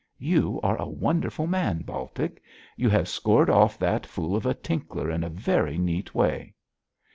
'You are a wonderful man, Baltic; you have scored off that fool of a Tinkler in a very neat way.'